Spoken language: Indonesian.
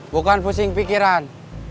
bukan pusing pikiran